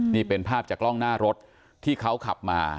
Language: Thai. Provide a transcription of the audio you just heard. นี่เป็นภาพจากกล้องหน้ารถที่เขาขับมา